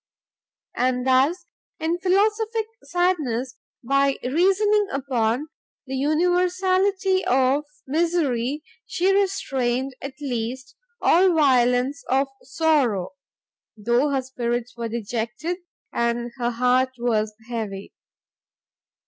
And thus, in philosophic sadness, by reasoning upon the universality of misery, she restrained, at least, all violence of sorrow, though her spirits were dejected, and her heart was heavy.